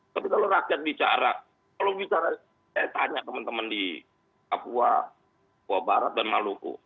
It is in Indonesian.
tapi kalau rakyat bicara kalau bicara saya tanya teman teman di papua papua barat dan maluku